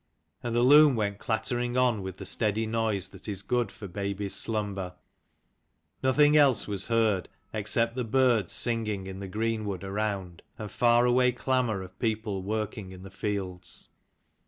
And the loom went clattering on with the steady noise that is good for babies' slumber. Nothing else was heard, except the birds singing in the green wood around, and far away clamour of people working in the fields.